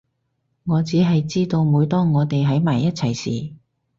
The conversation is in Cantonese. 我只係知道每當我哋喺埋一齊時